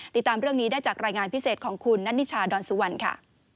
ติดตามเรื่องนี้ได้จากรายงานพิเศษของคุณนัทนิชาดอนสุวรรณค่ะ